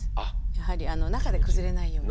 やはり中で崩れないように。